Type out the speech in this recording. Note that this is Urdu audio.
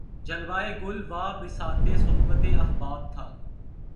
جلوہٴ گل واں بساطِ صحبتِ احباب تھا